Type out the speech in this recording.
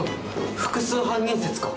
複数犯人説か。